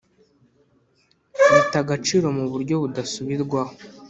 Bita agaciro mu buryo budasubirwaho